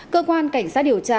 cơ quan cảnh sát điều tra